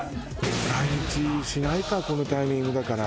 来日しないかこのタイミングだから。